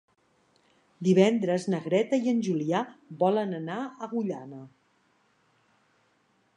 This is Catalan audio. Divendres na Greta i en Julià volen anar a Agullana.